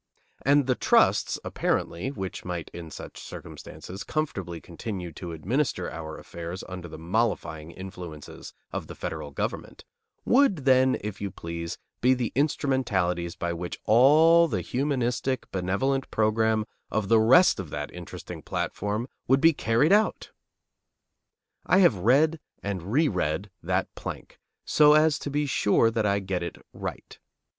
And the trusts, apparently, which might, in such circumstances, comfortably continue to administer our affairs under the mollifying influences of the federal government, would then, if you please, be the instrumentalities by which all the humanistic, benevolent program of the rest of that interesting platform would be carried out! I have read and reread that plank, so as to be sure that I get it right.